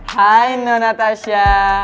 hai noh natasya